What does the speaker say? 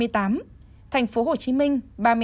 thành phố hồ chí minh